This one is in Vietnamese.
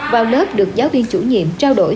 vào lớp được giáo viên chủ nhiệm trao đổi